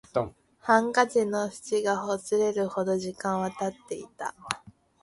ハンカチの縁がほつれるほど時間は経っていた